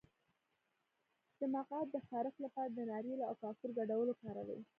د مقعد د خارښ لپاره د ناریل او کافور ګډول وکاروئ